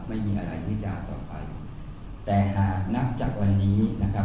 ไม่มีอะไรวิจารณ์ต่อไปแต่หากนับจากวันนี้นะครับ